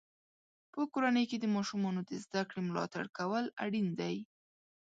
په کورنۍ کې د ماشومانو د زده کړې ملاتړ کول اړین دی.